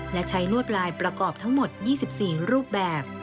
และใช้ลวดลายประกอบทั้งหมด๒๔รูปแบบ